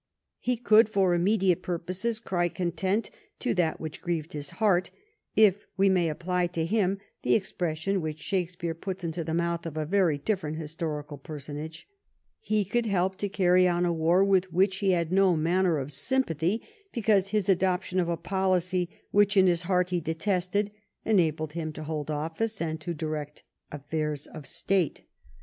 He could for immediate purposes cry content to that which grieved his heart, if we may apply to him the expression which Shakespeare puts into the mouth of a very different historical personage. He could help to carry on a war with which he had no manner of sympathy because his adoption of a policy which in his heart he detested enabled him to hold oifice and to direct affairs of state.